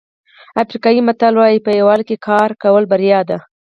افریقایي متل وایي په یووالي کار کول بریا ده.